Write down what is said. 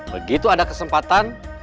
begitu ada kesempatan